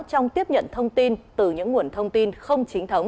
trong tiếp nhận thông tin từ những nguồn thông tin không chính thống